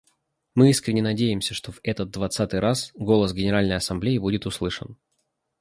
Мы искренне надеемся, что в этот двадцатый раз голос Генеральной Ассамблеи будет услышан.